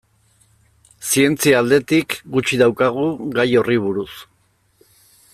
Zientzia aldetik gutxi daukagu gai horri buruz.